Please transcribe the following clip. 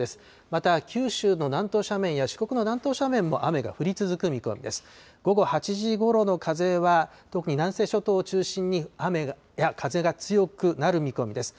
また九州の南東斜面や四国の南東斜面も雨が降り続く見込みです。